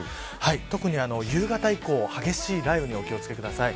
特に夕方以降、激しい雷雨にお気を付けください。